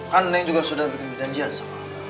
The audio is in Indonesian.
kan neng juga sudah bikin perjanjian sama